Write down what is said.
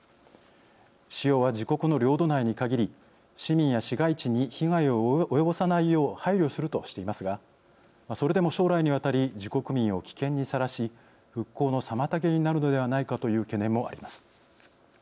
使用は自国の領土内にかぎり市民や市街地に被害を及ばさないよう配慮するとしていますがそれでも将来にわたり自国民を危険にさらし復興の妨げになるのではないかという懸念もあります。